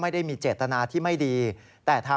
ถ้าความเป็นช่วงเย็นจนกลับบ้านถูกก็รีบตรวจครับ